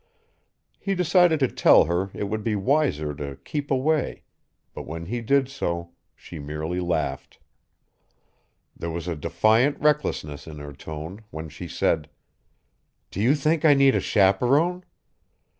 He decided to tell her it would be wiser to keep away; but when he did so, she merely laughed. There was a defiant recklessness in her tone when she said: "Do you think I need a chaperone?